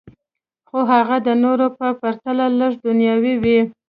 خو هغه د نورو په پرتله لږې دنیاوي وې